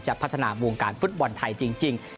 พัฒนาวงการฟุตบอลไทยจริง